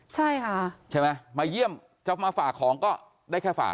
ใช่ค่ะใช่ไหมมาเยี่ยมจะมาฝากของก็ได้แค่ฝาก